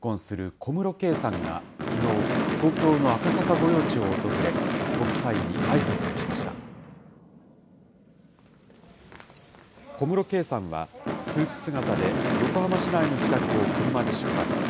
小室圭さんは、スーツ姿で横浜市内の自宅を車で出発。